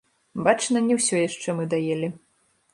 Бачна, не ўсё яшчэ мы даелі.